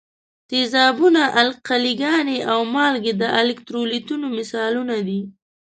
تیزابونه، القلي ګانې او مالګې د الکترولیتونو مثالونه دي.